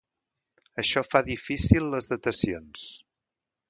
Això fa difícil les datacions.